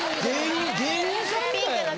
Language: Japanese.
芸人さんみたいやんな。